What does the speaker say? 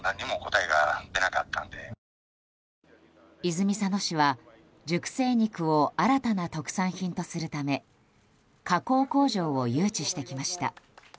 泉佐野市は、熟成肉を新たな特産品とするため加工工場を誘致してきました。